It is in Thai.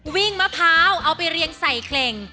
มะพร้าวเอาไปเรียงใส่เขลง